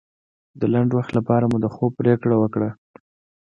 د لنډ وخت لپاره مو د خوب پرېکړه وکړه.